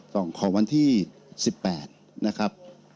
ของวันที่๑๘นะครับ